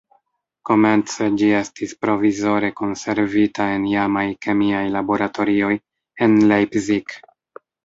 Komence ĝi estis provizore konservita en iamaj kemiaj laboratorioj en Leipzig.